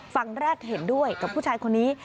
ฝั่งแรกเห็นด้วยกับผู้ชายคนนี้